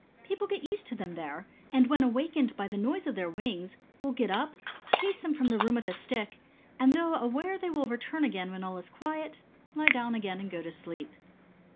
People get used to them there, and when awakened by the noise of their wings will get up, chase them from the room with a stick, and though aware they will return again when all is quiet, lie down again and go to sleep.